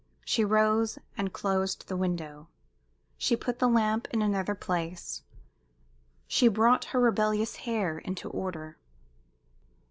She rose and closed the window; she put the lamp in another place; she brought her rebellious hair into order.